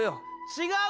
違う！